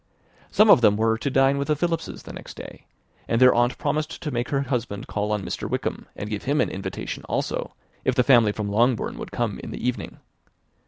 Some of them were to dine with the Philipses the next day, and their aunt promised to make her husband call on Mr. Wickham, and give him an invitation also, if the family from Longbourn would come in the evening.